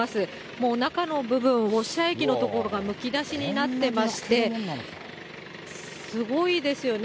もう、中の部分、ウォッシャー液の部分がむき出しになっていまして、すごいですよね。